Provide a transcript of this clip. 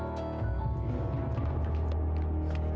kamu siapa sih